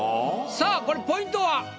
さあこれポイントは？